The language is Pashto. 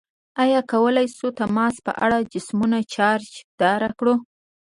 آیا کولی شو د تماس په اثر جسمونه چارج داره کړو؟